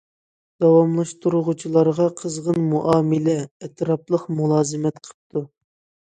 دەۋالاشقۇچىلارغا قىزغىن مۇئامىلە، ئەتراپلىق مۇلازىمەت قىپتۇ.